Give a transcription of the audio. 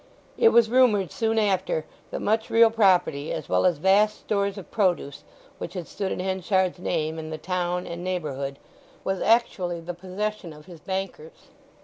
It was rumoured soon after that much real property as well as vast stores of produce, which had stood in Henchard's name in the town and neighbourhood, was actually the possession of his bankers.